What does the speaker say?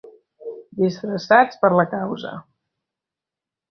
Disfressats per la causa.